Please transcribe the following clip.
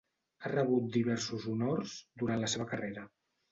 Ha rebut diversos honors durant la seva carrera.